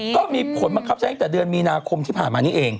ก็มีผลบังคับใช้ตั้งแต่เดือนมีนาคมที่ผ่านมานี้เอง